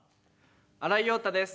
新井庸太です。